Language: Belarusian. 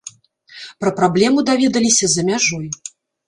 Пра праблему даведаліся за мяжой.